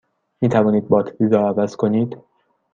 می توانید باتری را عوض کنید؟